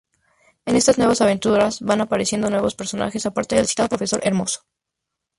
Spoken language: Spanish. En estas nuevas aventuras van apareciendo nuevos personajes, aparte del citado profesor Hermoso.